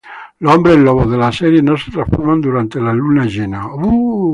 Los hombres lobo de la serie no se transforman durante la luna llena.